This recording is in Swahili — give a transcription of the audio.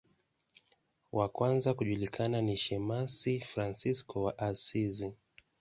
Wa kwanza kujulikana ni shemasi Fransisko wa Asizi.